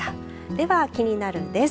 ではキニナル！です。